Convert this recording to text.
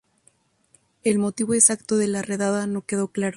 El motivo exacto de la redada no quedó claro.